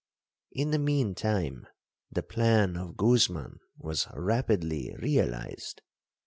'In the mean time, the plan of Guzman was rapidly realized.